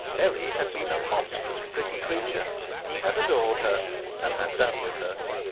Nellie had been a monstrous pretty creature. He had adored her, and had done with her.